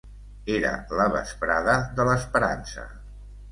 Era la vesprada de l’esperança.